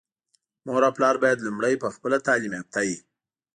مور او پلار بايد لومړی په خپله تعليم يافته وي.